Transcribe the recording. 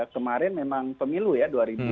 kemarin memang pemilu ya dua ribu sembilan belas